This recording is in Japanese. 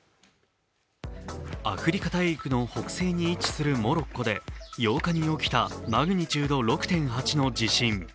アフリカ大陸の北西に位置するモロッコで８日に起きた、マグニチュード６．８の地震。